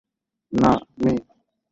না, মে।